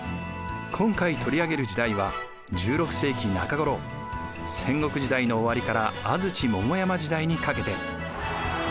今回取り上げる時代は１６世紀中ごろ戦国時代の終わりから安土桃山時代にかけて。